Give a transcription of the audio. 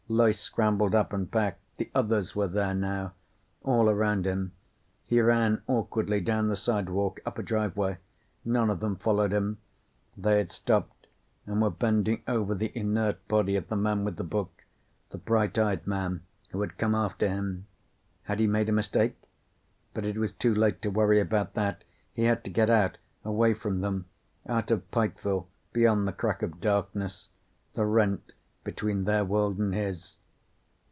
Loyce scrambled up and back. The others were there, now. All around him. He ran, awkwardly, down the sidewalk, up a driveway. None of them followed him. They had stopped and were bending over the inert body of the man with the book, the bright eyed man who had come after him. Had he made a mistake? But it was too late to worry about that. He had to get out away from them. Out of Pikeville, beyond the crack of darkness, the rent between their world and his.